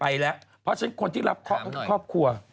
ไปแล้วเพราะฉะนั้นคนที่รับครอบครัว